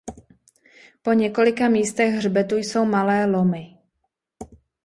Na několika místech hřbetu jsou malé lomy.